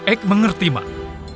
eik mengerti mak